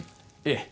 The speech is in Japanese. ええ。